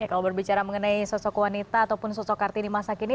kalau berbicara mengenai sosok wanita ataupun sosok kartini masa kini